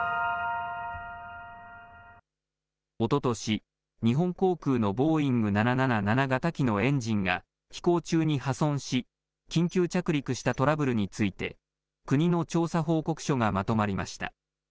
おととし、日本航空のボーイング７７７型機のエンジンが飛行中に破損し、緊急着陸したトラブルについて、国の調査報告書がまとまりました。